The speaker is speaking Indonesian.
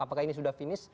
apakah ini sudah finish